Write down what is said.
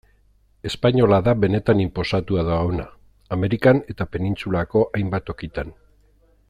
Espainola da benetan inposatuta dagoena, Amerikan eta penintsulako hainbat tokitan.